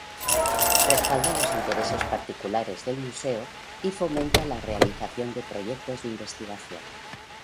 Respalda los intereses particulares del museo y fomenta la realización de proyectos de investigación.